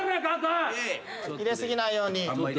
入れ過ぎないように。